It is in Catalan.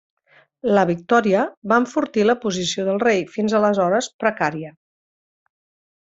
La victòria va enfortir la posició del rei, fins aleshores precària.